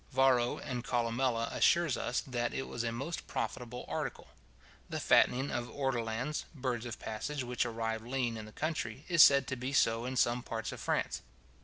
Varro and Columella assure us, that it was a most profitable article. The fattening of ortolans, birds of passage which arrive lean in the country, is said to be so in some parts of France.